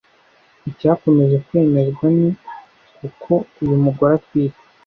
icyakomeje kwemezwani uko uyu mugore atwite